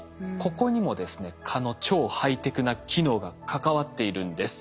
ここにもですね蚊の超ハイテクな機能が関わっているんです。